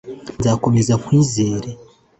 nzakomeze nkwizere